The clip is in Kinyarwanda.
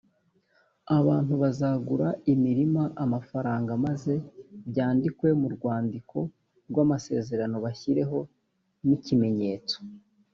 abantu bazagura imirima amafaranga maze byandikwe mu rwandiko rw amasezerano bashyireho ni ikimenyetso